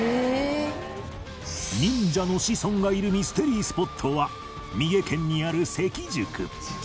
忍者の子孫がいるミステリースポットは三重県にある関宿